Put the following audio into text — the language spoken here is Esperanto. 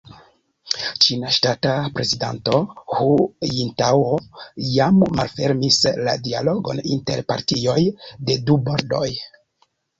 Ĉina ŝtata prezidanto Hu Jintao jam malfermis la dialogon inter partioj de du bordoj.